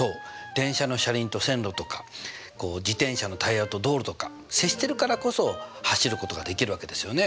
電車の車輪と線路とか自転車のタイヤと道路とか接しているからこそ走ることができるわけですよね。